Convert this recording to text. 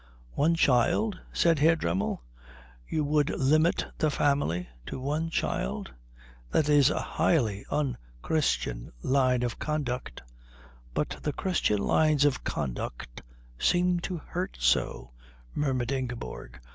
"One child?" said Herr Dremmel. "You would limit the family to one child? That is a highly unchristian line of conduct." "But the Christian lines of conduct seem to hurt so," murmured Ingeborg.